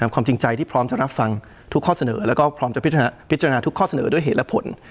ความจริงใจที่พร้อมจะรับฟังทุกข้อเสนอแล้วก็พร้อมจะพิจารณาทุกข้อเสนอด้วยเหตุและผล